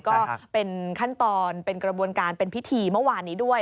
ก็เป็นขั้นตอนเป็นกระบวนการเป็นพิธีเมื่อวานนี้ด้วย